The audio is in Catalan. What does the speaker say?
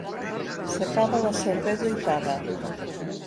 S'acaba la cervesa i paga.